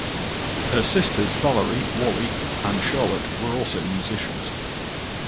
Her sisters Valerie (Wally) and Charlotte were also musicians.